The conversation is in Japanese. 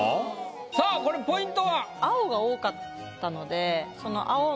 さあこれポイントは？